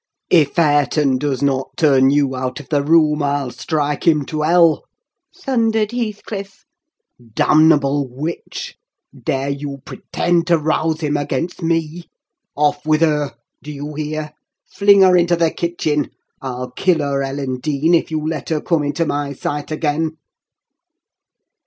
"If Hareton does not turn you out of the room, I'll strike him to hell," thundered Heathcliff. "Damnable witch! dare you pretend to rouse him against me? Off with her! Do you hear? Fling her into the kitchen! I'll kill her, Ellen Dean, if you let her come into my sight again!"